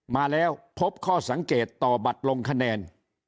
มาแล้วพบข้อสังเกตต่อบัตรลงคะแนน